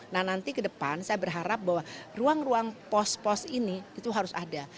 nah nanti ke depan saya berharap bahwa ruang ruang pos pos ini itu harus ada